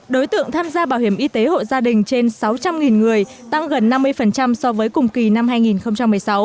đối tượng tham gia bảo hiểm y tế hộ gia đình trên sáu trăm linh người tăng gần năm mươi so với cùng kỳ năm hai nghìn một mươi sáu